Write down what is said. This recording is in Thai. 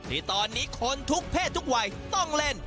ที่ตอนนี้คนทุกเพศทุกวัยต้องเล่น